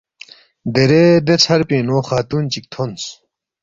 دیرے دے ژھر پِنگ نُو خاتُون چِک تھونس